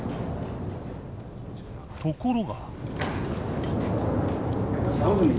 ところが。